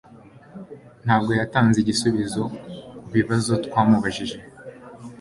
Ntabwo yatanze igisubizo kubibazo twamubajije.